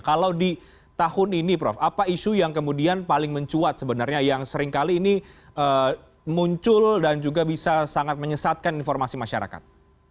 kalau di tahun ini prof apa isu yang kemudian paling mencuat sebenarnya yang seringkali ini muncul dan juga bisa sangat menyesatkan informasi masyarakat